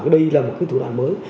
đây là một thủ đoạn mới